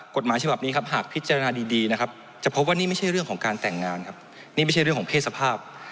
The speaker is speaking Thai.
กฎหมายฉบับนี้ครับหากพิจารณาดีนะครับ